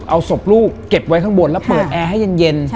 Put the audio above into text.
เอาศพลูกเก็บไว้ข้างบนแล้วเปิดแอร์ให้เย็น